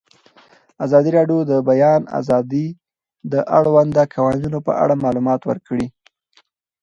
ازادي راډیو د د بیان آزادي د اړونده قوانینو په اړه معلومات ورکړي.